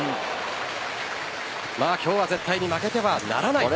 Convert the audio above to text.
今日は絶対に負けてはならない。